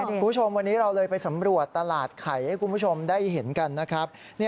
คุณผู้ชมวันนี้เราเลยไปสำรวจตลาดไข่ให้คุณผู้ชมได้เห็นกันนะครับ